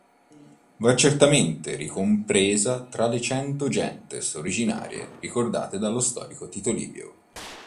Va certamente ricompresa tra le cento gentes originarie ricordate dallo storico Tito Livio.